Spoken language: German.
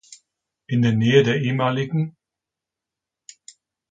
In der Nähe der ehem.